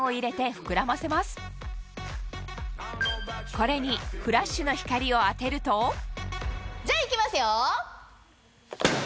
これにフラッシュの光を当てるとじゃあいきますよ。